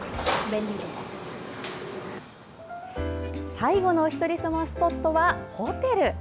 最後のおひとりさまスポットはホテル。